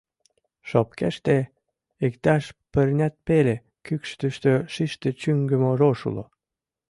Шопкеште иктаж пырнят пеле кӱкшытыштӧ шиште чӱҥгымӧ рож уло.